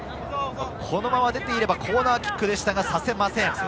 このまま出ていればコーナーキックでしたが、させません。